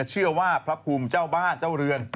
พระภูมิเจ้าบ้านเจ้าเรือน